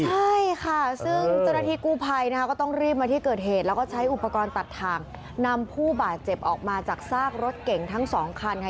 ใช่ค่ะซึ่งเจ้าหน้าที่กู้ภัยนะคะก็ต้องรีบมาที่เกิดเหตุแล้วก็ใช้อุปกรณ์ตัดทางนำผู้บาดเจ็บออกมาจากซากรถเก่งทั้งสองคันค่ะ